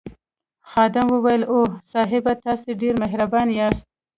خادم وویل اوه صاحبه تاسي ډېر مهربان یاست.